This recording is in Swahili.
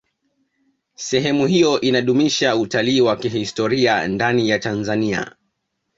sehemu hiyo inadumisha utalii wa kihistoria ndani ya tanzania